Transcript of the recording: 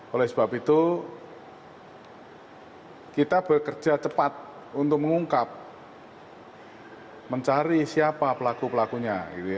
oleh sebab itu kita bekerja cepat untuk mengungkap mencari siapa pelaku pelakunya